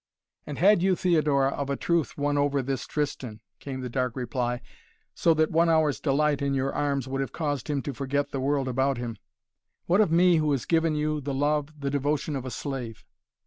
"And had you, Theodora, of a truth won over this Tristan," came the dark reply, "so that one hour's delight in your arms would have caused him to forget the world about him what of me who has given to you the love, the devotion of a slave?"